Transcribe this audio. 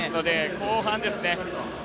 後半ですね。